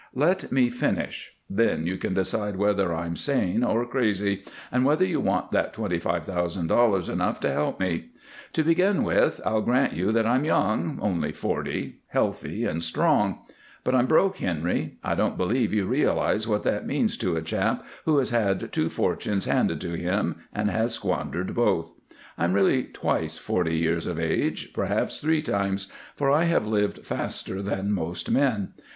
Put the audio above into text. "Let me finish; then you can decide whether I'm sane or crazy, and whether you want that twenty five thousand dollars enough to help me. To begin with, I'll grant you that I'm young only forty healthy and strong. But I'm broke, Henry. I don't believe you realize what that means to a chap who has had two fortunes handed to him and has squandered both. I'm really twice forty years of age, perhaps three times, for I have lived faster than most men.